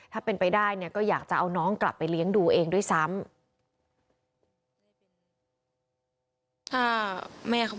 ถ้าเป็นไปได้เนี่ยก็อยากจะเอาน้องกลับไปเลี้ยงดูเองด้วยซ้ำ